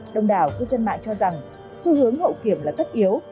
đồng đảo cư dân mạng cho rằng xu hướng hậu kiểm là tất yếu